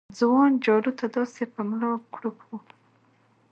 ځوان جارو ته داسې په ملا کړوپ و